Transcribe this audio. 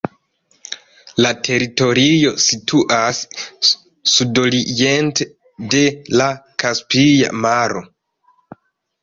La teritorio situas sudoriente de la Kaspia Maro.